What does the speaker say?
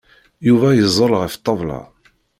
Yuba yeẓẓel ɣef ṭṭabla.